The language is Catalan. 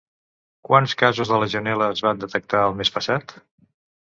Quants casos de legionel·la es van detectar el mes passat?